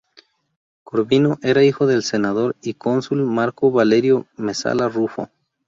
Corvino era hijo del senador y cónsul Marco Valerio Mesala Rufo.